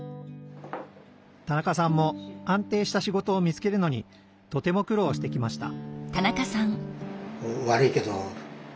田中さんも安定した仕事を見つけるのにとても苦労してきました